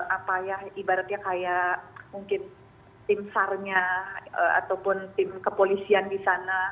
apa ya ibaratnya kayak mungkin tim sarnya ataupun tim kepolisian di sana